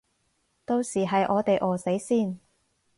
到時係我哋餓死先